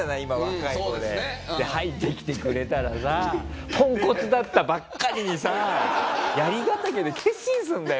で入ってきてくれたらさポンコツだったばっかりにさ槍ヶ岳で決心するんだよ